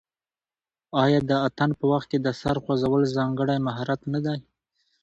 آیا د اتن په وخت کې د سر خوځول ځانګړی مهارت نه دی؟